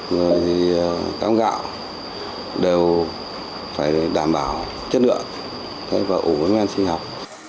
rồi thì cám gạo đều phải đảm bảo chất lượng và ủng viên sinh học